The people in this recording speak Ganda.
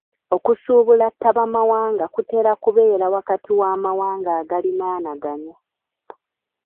Okusuubula ttabamawanga kutera kubeera wakati w'amawanga agaliraanaganye.